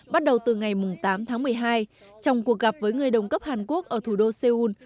bắt đầu từ ngày tám tháng một mươi hai trong cuộc gặp với người đồng cấp hàn quốc ở thủ đô seoul